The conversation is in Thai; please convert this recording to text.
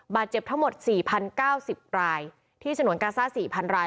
บาทเจ็บทั้งหมดสี่พันเก้าสิบรายที่ฉนวนกาซ่าสี่พันราย